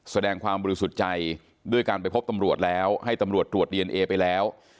แสดงความบริสุทธิ์ใจด้วยการไปพบตำรวจแล้วให้ตำรวจตรวจดีเอนเอไปแล้ว